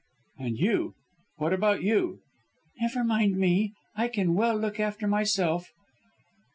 "And you what about you?" "Never mind me I can well look after myself."